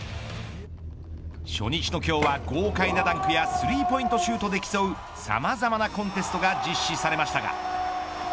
初日の今日は豪快なダンクやスリーポイントシュートで競うさまざまなコンテストが実施されましたが。